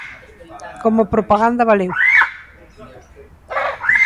Como propaganda valeu.